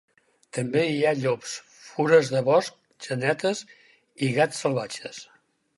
També hi ha llops, fures de bosc genetes i gats salvatges.